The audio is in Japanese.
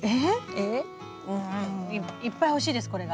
うんいっぱい欲しいですこれが。